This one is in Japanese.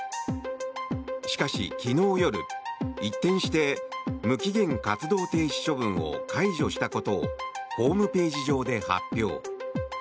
しかし、昨日夜一転して無期限活動停止処分を解除したことをホームページ上で発表。